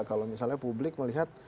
kalau misalnya publik melihat